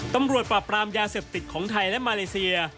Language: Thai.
ตำรวจปราบปรามยาเสพติดของไทยและมาเลเซีย